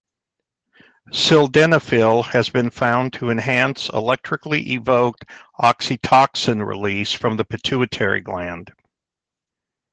Sildenafil has been found to enhance electrically evoked oxytocin release from the pituitary gland.